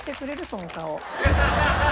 その顔。